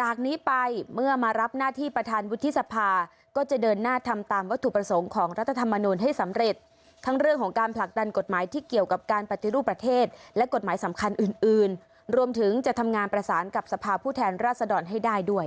จากนี้ไปเมื่อมารับหน้าที่ประธานวุฒิสภาก็จะเดินหน้าทำตามวัตถุประสงค์ของรัฐธรรมนูลให้สำเร็จทั้งเรื่องของการผลักดันกฎหมายที่เกี่ยวกับการปฏิรูปประเทศและกฎหมายสำคัญอื่นอื่นรวมถึงจะทำงานประสานกับสภาพผู้แทนราชดรให้ได้ด้วย